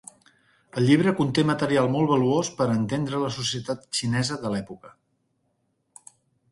El llibre conté material molt valuós per a entendre la societat xinesa de l'època.